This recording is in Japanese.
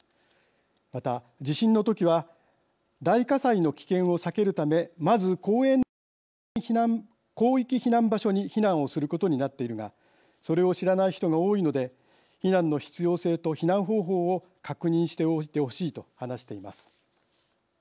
また地震の時は大火災の危険を避けるためまず公園などの広域避難場所に避難をすることになっているがそれを知らない人が多いので避難の必要性と避難方法を確認しておいてほしいと話しています。